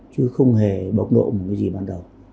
chứ không hề bọc độ một cái gì ban đầu